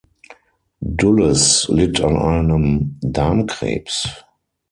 Dulles litt an einem Darmkrebs.